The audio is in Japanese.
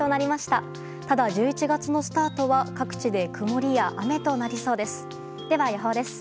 ただ、１１月のスタートは各地で曇りや雨となりそうです。